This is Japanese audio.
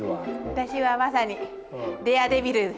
私はまさにデアデビル！